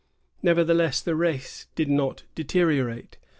Nevertheless the race did not deteriorate.